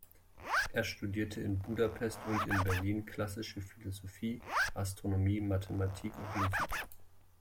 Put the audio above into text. Er studierte in Budapest und in Berlin Klassische Philosophie, Astronomie, Mathematik und Musik.